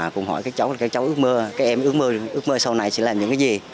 cùng hỏi các cháu là các cháu ước mơ các em ước mơ sau này sẽ làm những cái gì